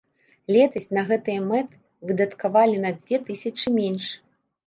Летась на гэтыя мэты выдаткавалі на дзве тысячы менш.